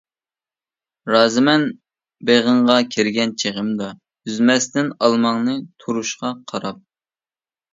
رازىمەن بېغىڭغا كىرگەن چېغىمدا، ئۈزمەستىن ئالماڭنى تۇرۇشقا قاراپ.